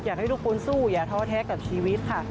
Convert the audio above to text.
อยากให้ทุกคนสู้อย่าท้อแท้กับชีวิตค่ะ